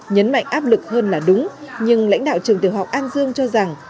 nhấn mạnh áp lực hơn là đúng nhưng lãnh đạo trường tiểu học an dương cho rằng